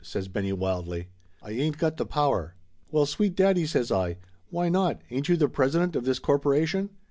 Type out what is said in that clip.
says Benny wildly. "I ain't got the power !" "Well, sweet daddy!" says I. "Why not? Ain't you the president of this corporation